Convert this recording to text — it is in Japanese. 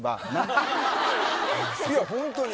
いやホントに。